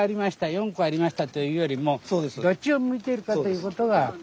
４個ありましたというよりもどっちを向いているかということが一歩前進ですよ佐原先生。